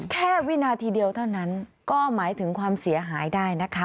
วินาทีเดียวเท่านั้นก็หมายถึงความเสียหายได้นะคะ